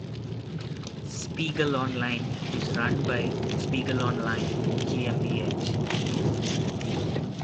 "Spiegel Online" is run by Spiegel Online GmbH.